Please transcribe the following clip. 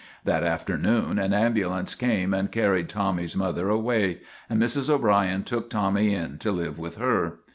That afternoon an ambulance came and carried Tommv's mother awav, and Mrs. O'Brien took */^ Tommy in to live with her.